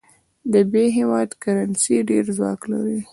د ب هیواد کرنسي ډېر ځواک لري.